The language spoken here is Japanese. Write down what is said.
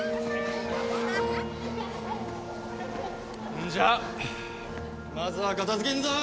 んじゃまずは片付けっぞ！